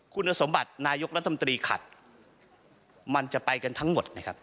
คุณสมบัตินายกรัฐมนตรีขัดมันจะไปกันทั้งหมดนะครับ